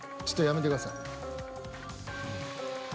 ちょっとやめてください。